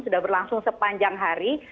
sudah berlangsung sepanjang hari